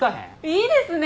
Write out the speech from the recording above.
いいですね